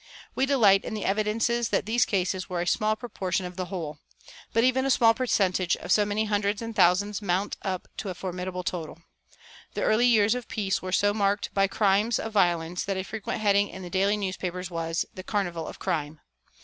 We delight in the evidences that these cases were a small proportion of the whole. But even a small percentage of so many hundreds of thousands mounts up to a formidable total. The early years of the peace were so marked by crimes of violence that a frequent heading in the daily newspapers was "The Carnival of Crime."